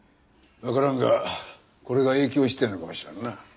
わからんがこれが影響してるのかもしれんな。